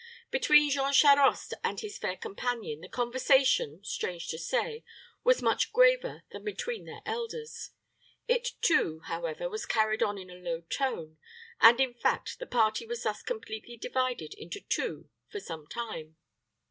Between Jean Charost and his fair companion the conversation, strange to say, was much graver than between their elders. It too, however, was carried on in a low tone, and, in fact, the party was thus completely divided into two for some time.